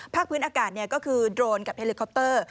พื้นอากาศก็คือโดรนกับเฮลิคอปเตอร์